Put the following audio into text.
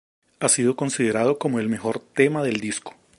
Ha sido considerado como "el mejor tema del disco".